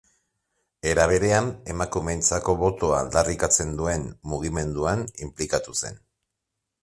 Era berean, emakumeentzako botoa aldarrikatzen duen mugimenduan inplikatu zen.